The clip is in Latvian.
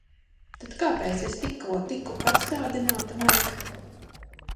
Tad kāpēc es tikko tiku atstādināta, Maik?